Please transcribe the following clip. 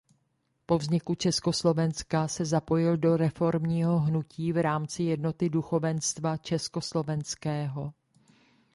Po vzniku Československa se zapojil do reformního hnutí v rámci Jednoty duchovenstva československého.